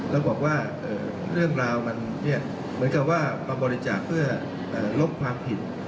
แล้วบอกว่าเรื่องราวมันเหมือนกับว่ามาบริจาคเพื่อลบความผิด